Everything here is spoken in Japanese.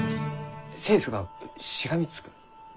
政府がしがみつく？